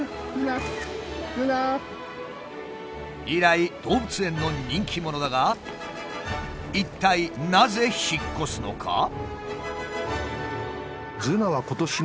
以来動物園の人気者だが一体なぜ引っ越すのか。